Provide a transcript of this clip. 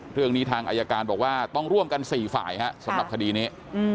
ทางอายการบอกว่าต้องร่วมกัน๔ฝ่ายสำหรับคดีนี้